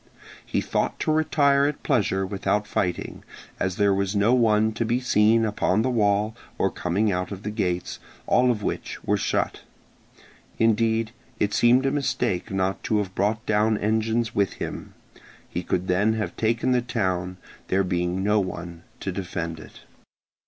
He thought to retire at pleasure without fighting, as there was no one to be seen upon the wall or coming out of the gates, all of which were shut. Indeed, it seemed a mistake not to have brought down engines with him; he could then have taken the town, there being no one to defend it.